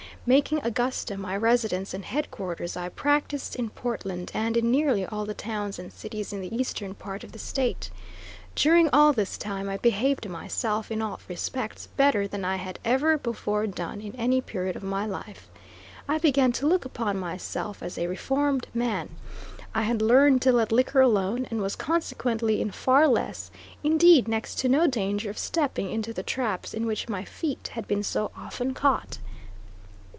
Making Augusta my residence and headquarters, I practiced in Portland and in nearly all the towns and cities in the eastern part of the State. During all this time, I behaved myself, in all respects better than I had ever before done in any period of my life. I began to look upon myself as a reformed man; I had learned to let liquor alone, and was consequently in far less, indeed, next to no danger of stepping into the traps in which my feet had been so often caught.